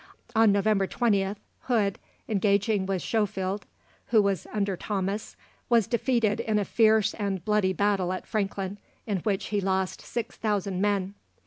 On November 20th, Hood, engaging with Schofield, who was under Thomas, was defeated in a fierce and bloody battle at Franklin, in which he lost 6000 men.